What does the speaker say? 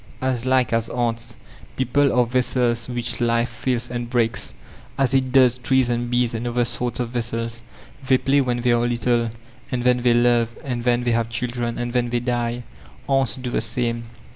"As like as ants. People are vessels whidi life fills and breaks, as it does trees and bees and other sorts of vessels. They play when they are little, and then thej love and then they have children and then they die. Ants do the same."